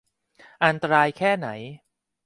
อันตรายแค่ไหน